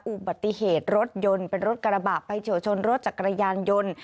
อุบัติเหตุรถยนต์เป็นรถกระบะไปเฉียวชนรถจักรยานยนต์